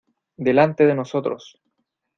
delante de nosotros.